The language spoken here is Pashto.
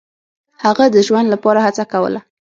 هغه د ژوند لپاره هڅه کوله.